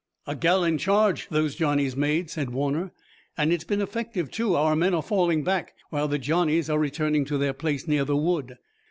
"A gallant charge those Johnnies made," said Warner, "and it's been effective, too. Our men are falling back, while the Johnnies are returning to their place near the wood."